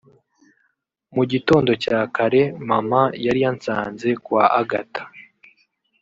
Mu gitondo cya kare maman yari yansanze kwa Agatha